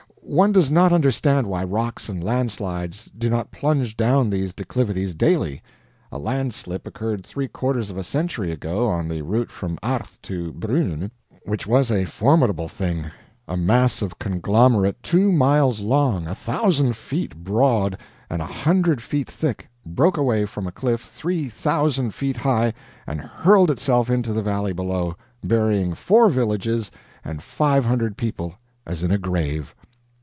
One does not understand why rocks and landslides do not plunge down these declivities daily. A landslip occurred three quarters of a century ago, on the route from Arth to Brunnen, which was a formidable thing. A mass of conglomerate two miles long, a thousand feet broad, and a hundred feet thick, broke away from a cliff three thousand feet high and hurled itself into the valley below, burying four villages and five hundred people, as in a grave.